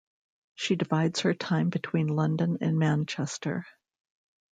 She divides her time between London and Manchester.